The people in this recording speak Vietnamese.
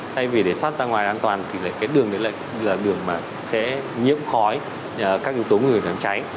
thay vì để thoát ra ngoài an toàn thì lại cái đường đấy là đường mà sẽ nhiễm khói các yếu tố người dân cháy